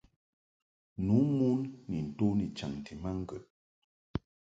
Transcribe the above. Nu mon ni nto ni chaŋti ma ŋgəd.